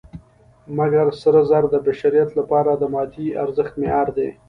مګر سره زر د بشریت لپاره د مادي ارزښت معیار دی.